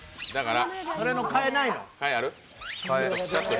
それの代えないの？